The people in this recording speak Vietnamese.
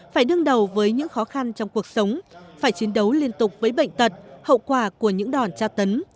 phải đương đầu với những khó khăn trong cuộc sống phải chiến đấu liên tục với bệnh tật hậu quả của những đòn tra tấn